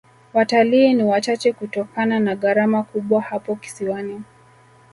watalii ni wachache kutokana na gharama kubwa hapo kisiwani